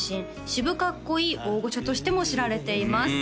渋かっこいい大御所としても知られています